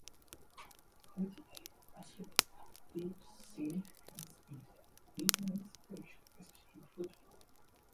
Collegiate athletics have deep significance in the region's culture, especially football.